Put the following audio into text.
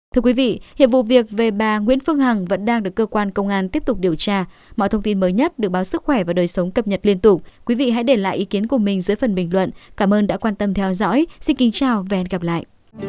thưa quý vị hiệp vụ việc về bà nguyễn phương hằng vẫn đang được cơ quan công an tiếp tục điều tra mọi thông tin mới nhất được báo sức khỏe và đời sống cập nhật liên tục quý vị hãy để lại ý kiến của mình dưới phần bình luận cảm ơn đã quan tâm theo dõi xin kính chào và hẹn gặp lại